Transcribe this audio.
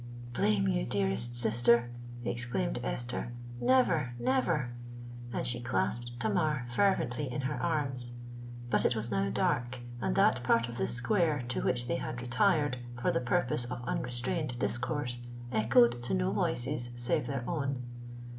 "—"Blame you, dearest sister!" exclaimed Esther. "Never! never!" And she clasped Tamar fervently in her arms; but it was now dark, and that part of the square to which they had retired for the purpose of unrestrained discourse, echoed to no voices save their own.